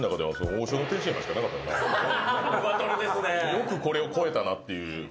よくこれを超えたなっていう。